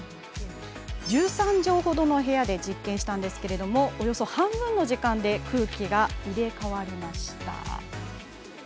１３畳ほどの部屋で実験した場合およそ半分の時間で空気が入れ代わりました。